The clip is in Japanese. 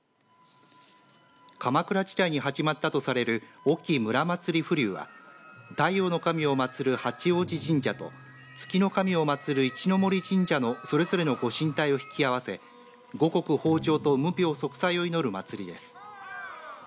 鎌倉時代に始まったとされる隠岐武良祭風流は太陽の神をまつる八王子神社と月の神をまつる一之森神社のそれぞれのご神体を引き合わせ五穀豊じょうと無病息災を祈る祭りです。